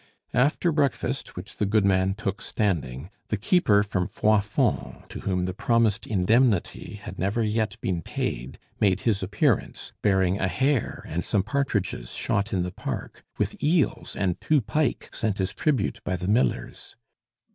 After breakfast, which the goodman took standing, the keeper from Froidfond, to whom the promised indemnity had never yet been paid, made his appearance, bearing a hare and some partridges shot in the park, with eels and two pike sent as tribute by the millers.